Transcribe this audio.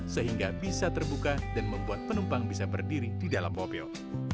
sehingga bisa terbuka dan membuat penumpang bisa berdiri di dalam mobil